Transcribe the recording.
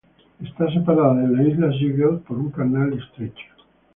Está separada de la isla Ziegler por un canal estrecho.